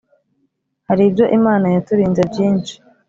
Haribyo imana yaturinze byisnhi